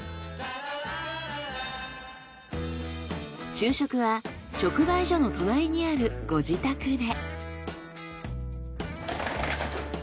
昼食は直売所の隣にあるご自宅で。